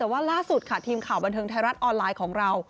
แต่ว่าล่าสุดค่ะทีมข่าวบันเทิงไทยรัฐออนไลน์ของเรา